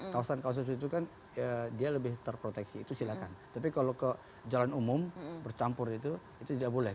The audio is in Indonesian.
kawasan kawasan itu kan dia lebih terproteksi itu silakan tapi kalau ke jalan umum bercampur itu itu tidak boleh